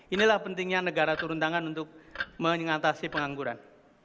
inilah pentingnya negara turun tangan untuk mengatasi pengangguran